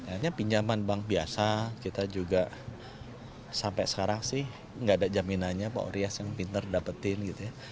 akhirnya pinjaman bank biasa kita juga sampai sekarang sih nggak ada jaminannya pak urias yang pinter dapetin gitu ya